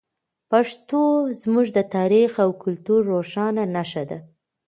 پښتو زموږ د تاریخ او کلتور روښانه نښه ده.